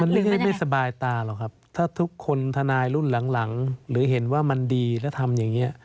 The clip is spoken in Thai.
เรื่องนี้ไม่สบายตาหรอกครับถ้าทุกคนทนายรุ่นหลังหรือเห็นว่ามันดีแล้วทำอย่างนี้